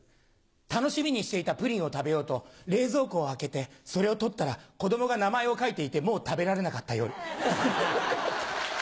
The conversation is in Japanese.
楽しみにしていたプリンを食べようと冷蔵庫を開けてそれを取ったら子供が名前を書いていてもう食べられなかった夜。